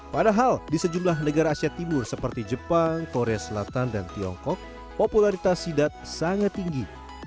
padahal di sejumlah negara asia timur seperti jepang korea selatan dan tiongkok popularitas sidat sangat tinggi